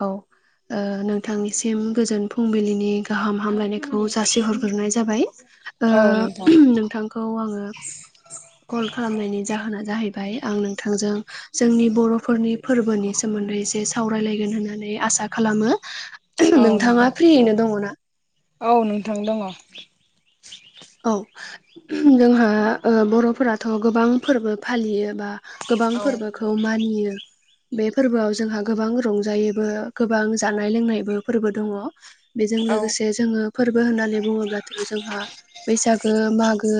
औ ओ नोंथांनिसिम गोजोन फुंबिलिनि गाहाम हामलायनायखौ जासिहरग्रोनाय जाबाय ओ औ नोंथां [unintelligible] नोंथांखौ आङो कल खालामनायनि जाहोना जाहैबाय आं नोंथांजों जोंनि बर'फोरनि फोरबोनि सोमोन्दै एसे सावरायलायगोन होननानै आसा खालामो। औ नोंथां नोंथाङा फ्रियैनो दङना? औ नोंथां दङ ‌। औ जोंहा ओ बर'फोराथ' गोबां फोरबो फालियो बा गोबां फोरबोखौ मानियो। बे फोरबोआव जोंहा गोबां रंजायोबो गोबां जानाय लोंनायबो फोरबो दङ ‌। बेजों औ लोगोसे जोङो फोरबो होननानै बुङोब्लाथ' जोंहा बैसागो मागो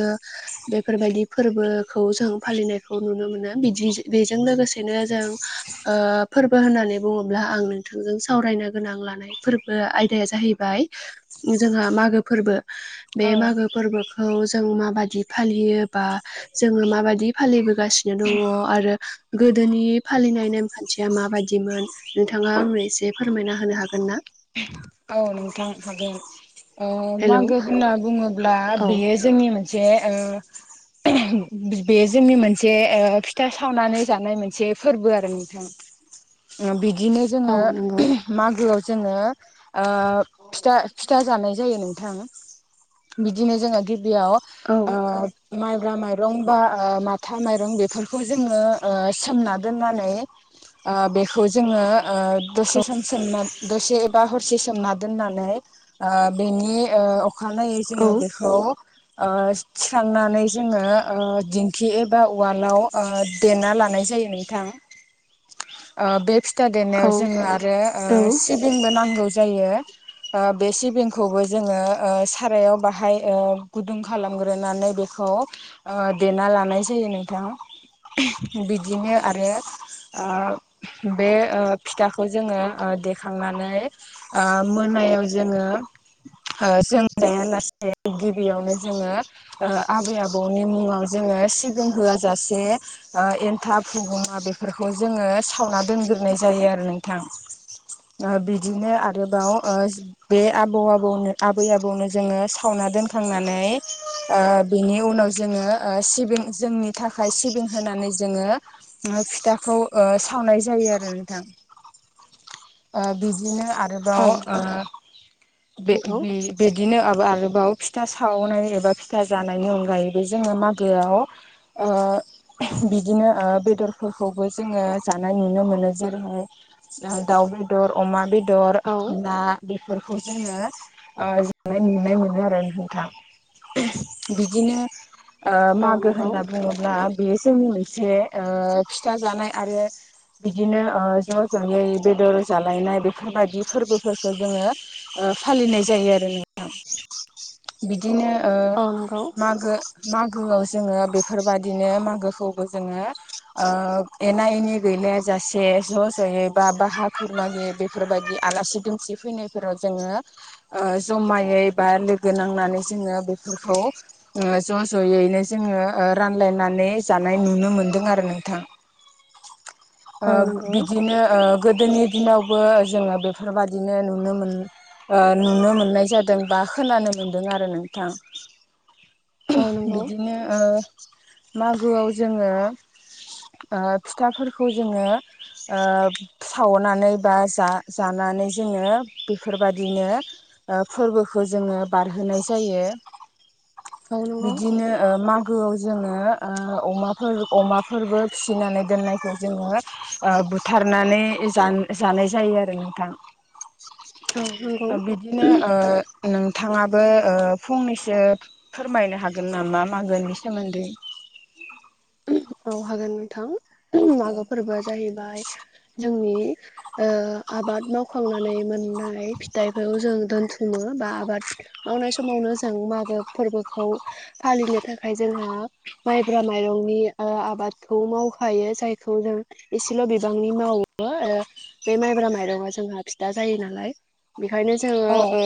बेफोरबायदि फोरबोखौ जों फालिनायखौ नुनो मोनो बिदि बेजों लोगोसेनो जों ओ फोरबो होननानै बुङोब्ला आं नोंथांजों सावरायनो गोनां लानाय फोरबो आयदाया जाहैबाय जोंहा मागो फोरबो बे मागो फोरबोखौ जों माबायदि फालियोबा जोङो माबायदि फालिबोगासिनो दङ आरो गोदोनि फालिनाय नेम खान्थिया माबायदिमोन नोंथाङा आंनो एसे फोरमायना होनो हागोन ना? औ नोंथा हागोन ‌। ओ हेलौ मागो होनना बुङोब्ला बेयो औ जोंनि मोनसे से ओ बे जोंनि मोनसे ओ फिथा सावनानै जानाय मोनसे फोरबो आरो नोंथां। बिदिनो औ जोङो नंगौ मागोआव जोङो ओ फिथा फिथा जानाय जायो नोंथां। बिदिनो जोङो गिबियाव औ ओ माइब्रा माइरं बा ओ माथा माइरं बेफोरखौ जोङो ओ सोमना दोननानै ओ बेखौ जोङो ओ दसे सम सोमना दसे एबा हरसे सोमना दोननानै ओ बेनि ओ अखानायै औ जोङो बेखौ ओ थिखांनानै जोङो ओ दिंखि एबा उवालाव ओ देरना लानाय जायो नोंथां। ओ बे फिथ फिथा देनायाव औ जोङो आरो ओ सिबिंबो नांगौ जायो। ओ बे सिबिंखौबो जोङो ओ सारायाव बाहाय ओ गुदुं खालामग्रोनानै बेखौ खौ ओ देना लानाय जायो नोंथां। बिदिनो आरो ओ बे ओ फिथाखौ जोङो‌ ओ देखांनानै ओ मोनायाव जोङो ओ जों जाया लासै गिबियावनो जोङो ओ आबै आबौनि मुङाव जोङो सिगां होआ जासे ओ एन्थाब हुगुमा बेफोरखौ जोङो सावना दोनग्रोनाय जायो आरो नोंथां। ओ बिदिनो आरोबाव ओ बे आबौ आबौ आबै आबौनो जोङो सावना दोनखांनानै ओ बिनि उनाव जोङो सिबिं जोंनि थाखाय सिबिं होनानै जोङो ओ फिथाखौ ओ सावनाय जायो आरो नोंथां। ओ बिदिनो आरो औ। ओ बे बि नंगौ बेदि बिदिनो आरोबाव फिथा सावनाय एबा फिथा जानायनि अनगायैबो जोङो मागोआव ओ बिदिनो ओ बेदरफोरखौबो जोङो जानाय नुनो मोनो जेरैहाय ओ दाउ बेदर अमा बेदर औ ना बेफोरखौ जोङो ओ जानाय नुनाय मोनो आरो नोंथां। बिदिनो ओ औ मागो नंगौ होनना बुङो ब्ला बेयो जोंनि मोनसे ओ फिथा जानाय आरो बिदिनो ओ ज' ज'यै बेदर जालायनाय बेफोरबायदि फोरबो फोरखौ जोङो ओ फालिनाय जायो आरो नोंथां। बिदिनो ओ औ नंगौ मागो मागोआव जोङो बेफोरबायदिनो मागोखौबो जोङो ओ एना एनि गैलायाजासे ज' ज'यै बा बाहा खुरमा गैयै बेफोरबायदि आलासि दुमसि फैनायफोराव जोङो ओ जमायै बा लोगो नांनानै जोङो बेफोरखौ ओ ज' ज'यैनो जोङो रानलायनानै जानाय नुनो मोनदों आरो नोंथां ओ औ नंगौ बिदिनो ओ गोदोनि दिनावबो जोङो बेफ बेफोरबायादिनो नुनो मोन ओ नुनो मोननाय जादों बा खोनानो मोनदों आरो नोंथां औ नंगौ बिदिनो ओ मागोआव जोङो ओ फिथाफोरखौ जोङो सावनानै बा जा जानानै जोङो बेफोरबादिनो ओ फोरबोखौ जोङो बारहोनाय जायो औ नंगौ बिदिनो ओ मागोआव जोङो ओ अमाफोर अमाफोरबो फिसिनानै दोननायखौ जोङो ओ बुथारनानै जान जानाय जायो आरो नोंथां। औ नंगौ ओ बिदिनो ओ नोंथाङाबो ओ फंनैसो फोरमायनो हागोन नामा मागोनि सोमोन्दै औ हागोन नोंथां मागो फोरबोआ जाहैबाय जोंनि ओ आबाद मावखांनानै मोननाय फिथाइखौ जों दोनथुमो बा आबाद मावनाय समावनो जों मागो फोरबोखौ फालिनो थाखाय जोंहा माइब्रा माइरंनि ओ आबादखौ मावखायो जायखौ जों एसेल' बिबांनि मावो ओ बे माइब्रा माइरंआ जोंहा फिथा जायो नालाय बेखायनो जोङो औ ओ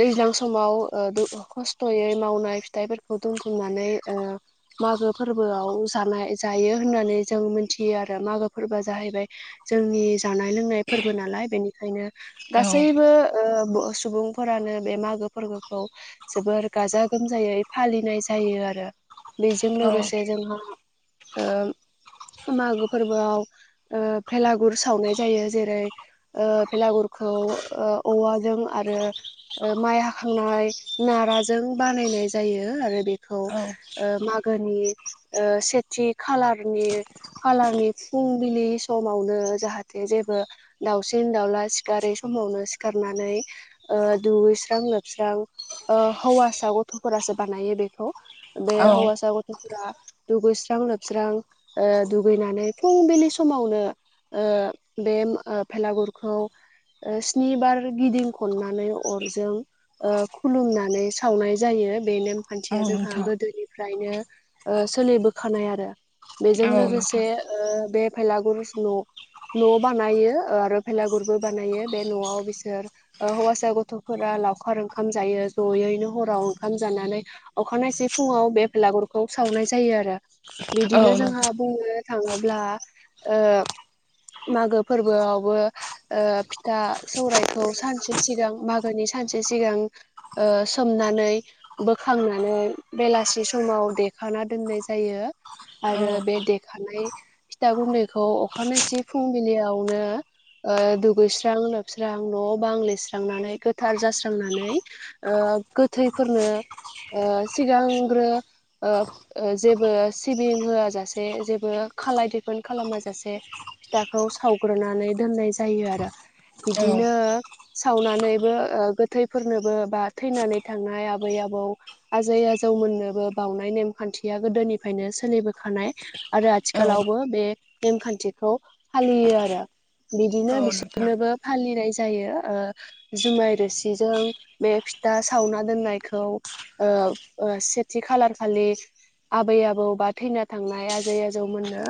दैज्लां समाव ओ द खस्थ'यै मावनाय फिथाइफोरखौ दोनथुमनानै ओ मागो फोर बोआव जानाय जायो होननानै जों मोनथियो आरो मागो फोरबोआ जाहैबाय जोंनि जानाय लोंनाय फोरबो नालाय बेनिखायनो गासैबो ओ बोस सुबुंफोरानो बे मागो फोरबोखौ जोबोर गाजा गोमजायै फालिनाय जायो आरो बेजों औ लोगोसे जोंहा ओ मागो फोरबोआव ओ भेलागुर सावनाय जायो जेरै ओ बेलागुरखौ ओ औवाजों आरो ओ माइ हाखांनाय नाराजों बानायनाय जायो आरो बे खौ औ ओ मागोनि ओ सेथि खाालारनि खालारनि फुंबिलि समावनो जाहाथे जेबो दाउसिन दाउला सिखारै समावनो सिखारनानै ओ दुगैस्रां लोबस्रां ओ हौवासा गथ'फोरासो बानायो बेखौ बे औ हौवासा गथ'फोरा दुगैस्रां लोबस्रां ओ दुगैनानै फुंबिलि समावनो ओ बे [unintelligible] भेलागुरखौ ओ स्निबार गिदिंखननानै अरजों ओ खुलुमनानै सावनाय जायो बेनेम औ खान्थिया जोंहा नोंथां गोदोनिफ्रायनो ओ सोलिबोखानाय आरो बेजों औ लोगोसे नोंथां ओ बे भेलागुरस न' न' बानायो आरो भेलागुरबो बानायो बे न'आव बिसोर ओ हौवासा गथ'फोरा लावखार ओंखाम जायो जयैनो हराव ओंखाम जानानै अखानायनायसै फुङाव बे लागुरखौ सावनाय जायो आरो औ बिदिनो जोंहा नोंथां बुंनो थाङोब्ला ओ मागो फोरबोआवबो ओ फिथा सौरायखौ सानसे सिगां मागोनि सानसे सिगां ओ सोमनानै बोखांनानै बेलासि समाव दे खाना दोननाय जायो औ आरो बे देखानाय फिथा गुन्दैखौ अखानायसे फुंबिलियावनो ओ दुगैस्रां लोबस्रां न' बां लिरस्रांनानै गोथार जास्रांनानै ओ गोथैफोरनो ओ सिगांग्रो ओ ओ जेबो सिबिं होआ जासे जेबो खालाय दिखोन खालामा जासे फिथाखौ सावग्रोनानै दोननाय जायो आरो। औ बिदिनो सावनानैबो ओ गोथैफोरनोबो बा थैनानै थांनाय आबै आबौ आजै आजौ मोननोबो बावनाय नेमखान्थिया गोदोनिफ्रायनो सोलिबोखानाय। आरो औ आथिखालावबो बे नेमखान्थिखौ फालियो आरो। बिदिनो औ नोंथां बिसोरनोबो फालिनाय जायो। ओ जुमाय रोसिजों बे फिथा सावना दोननायखौ ओ ओ सेथि खालारखालि आबै आबौ बा थैना थांनाय आजै आजौमोननो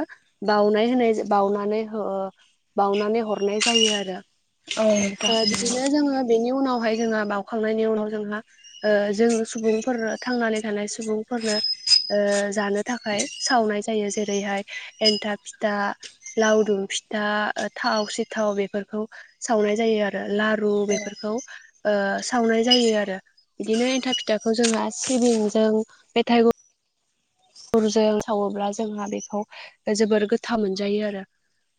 बावनाय होनाय बावनानै बावनानै हरनाय जायो आरो। औ नोंथां ओ बिदिनो जोङो बेनि उनावहाय जोंहा बाउखांनायनि उनाव जोंहा ओ जों सुबुंफोर थांनानै थानाय सुबुं फोरनो ओ जानो थाखाय सावनाय जायो। जेरैहाय एन्थाब फिथा, लावदुम फिथा, थाव सेथाव बेफोरखौ सावनाय जायो आरो लारु बेफोरखौ ओ सावनाय जायो आरो। बिदिनो एन्थाब फिथाखौ जोंहा सिबिंजों मेथाइ गुरजों सावोब्ला जोंहा बेखौ जोबोर गोथाव मोनजायो आरो।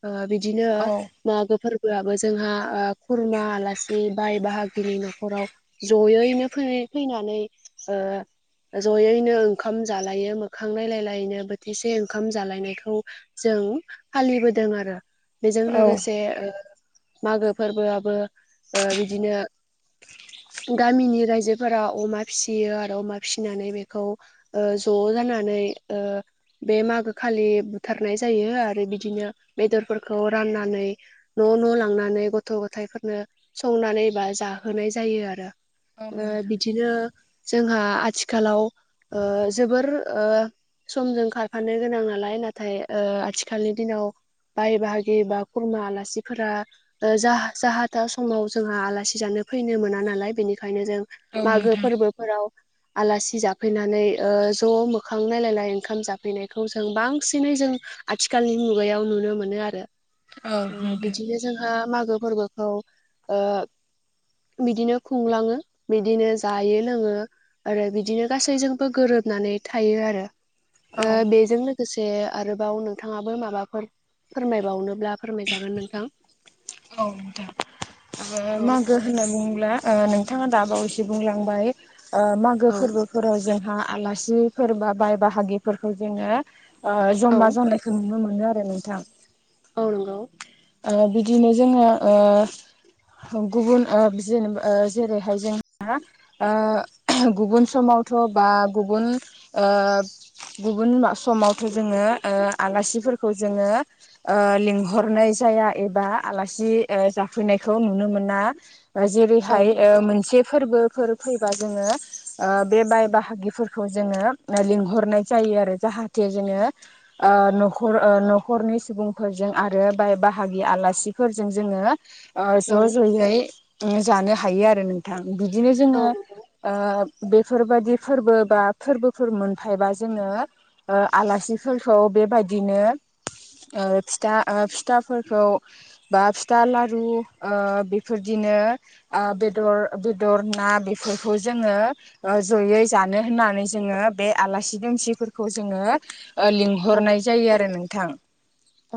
ओ बिदिनो औ मागो फोर्बोआबो जोंहा ओ खुरमा आलासि बाय बाहागिनि न'खराव जयैनो फै-फैनानै ओ जयैनो ओंखाम जालायो मोखां नालायलायैनो बोथिसे ओंखाम जालायनायखौ जों फालिबोदों आरो। बेजों लोगोसे औ ओ मागो फोर्बोआबो ओ बिदिनो गामिनि रायजोफोरा अमा फिसियो आरो अमा फिसिनानै बेखौ ओ ज' जानानै ओ बे मागो खालि बुथारनाय जायो आरो बिदिनो बेदरफोरखौ राननानै न' न' लांनानै गथ' गथाइफोरनो संनानै बा जाहोनाय जायो आरो। ओ नोंथां बिदिनो जोंहा आथिखालाव ओ जोबोर ओ समजों खारफानो गोनां नालाय नाथाय ओ आथिखालनि दिनाव बाय बाहागि बा खुरमा आलासिफोरा ओ जाहा-जाहाथा समाव जोंहा आलासि जानो फैनो मोना नालाय बेनिखायनो जों औ नोंथां औ मागो नोंथां फोर्बोफोराव आलासि जाफैनानै ओ ज' मो खां नायलायनाय ओंखाम जाफैनायखौ जों बांसिनै जों आथिखालनि मुगायाव नुनो मोनो आरो। उम बिदिनो जोंहा मागो फोर्बोखौ ओ बिदिनो खुंलाङो बिदिनो जायो लोङो आरो बिदिनो गासैजोंबो गोरोबनानै थायो आरो। औ ओ बेजों लो गोसे आरोबाव नोंथाङाबो माबाफोर फोरमायबावनोब्ला फोरमायजागोन नोंथां। औ नोंथां औ मागो होनना बुंङोला ओ नोंथाङा दाबावैसो बुंलांबाय ओ मागो औ फोर्बोफोराव जोंहा आलासिफोर बा बाय बाहागिफोरखौ जोङो ओ जमा औ जानायखौ नुनो मोनो आरो नोंथां। औ नंगौ‌। ओ बिदिनो जोङो ओ गुबुन ओ जेनेबा ओ जेरैहाय जोंहा ओ गुबुन समावथ' बा गुबुन ओ गुबुन समावथ' जोङो ओ आलासिफोरखौ जोङो ओ लिंहरनाय जाया एबा आलासि ओ जाफैनायखौ नुनो मोना। ओ औ जेरैहाय ओ मोनसे फोर्बोफोर फैबा जोङो ओ बे बाय बाहागिफोरखौ जोङो ओ लिंहरनाय जायो आरो जाहाथे जोङो ओ न'खर न'खरनि सुबुंफोरजों आरो बाय बा भागि आलासिफोरजों जोङो औ ओ ज' ज'यै जानो हायो आरो नों थां बिदिनो जोङो ओ बेफोरबादि फोरबो बा फोरबोफोर मोनफायबा जोङो ओ आलासिफोरखौ बेबायदिनो ओ फिथा ओ फिथा खौ बा फिथा लारु ओ बेफोरदिनो ओ बेदर बेदर ना बेफोरखौ जोङो ओ जयै जानो होननानै जोङो बे आलासि दुमसिफोरखौ जोङो ओ लिंह औ नंगौ औ हरनाय जायो आरो नोंथां।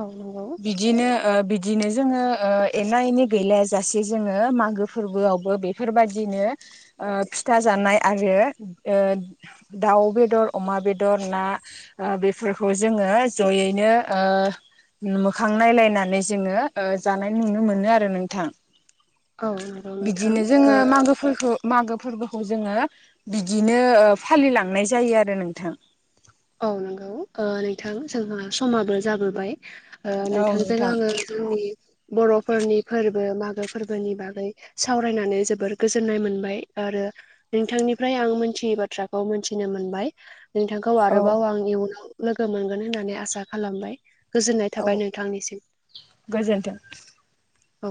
औ नंगौ। बिदिनो ओ बिदिनो जोङो ओ एना एनि गैलायाजासे जोङो मागो फोरबोआवबो बे बेफोरबायदिनो ओ फिथा जानाय आरो ओ दाउ बेदर अमा बेदर ना ओ बेफोरखौ जोङो जयैनो ओ मोखां नायलायना नै जोङो ओ जानाय नुनो मोनो आरो नोंथां। औ नंगौ नोंथां बिदिनो जोङो ओ मागो फोरखौ मागो फोरबोखौ जोङो बिदिनो ओ फालिलांनाय जायो आरो नोंथां। औ नंगौ ओ नोंथां जोंहा समाबो जाबोबाय ओ औ नोंथांजों नोंथां आङो जोंनि बर'फोरनि फोरबो मागो फोरबोनि बागै सावरायनानै जोबोर गोजोननाय मोनबाय आरो नोंथांनिफ्राय आं मोनथियै बाथ्राखौ मोनथिनो मोनबाय नोंथांखौ औ आरोबाव आं इयुनाव लोगो मोनगोन होननानै आसा खालामबाय गोजोननाय थाबाय नोंथांनिसिम। गोजोनथों। औ